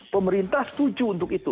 pemerintah setuju untuk itu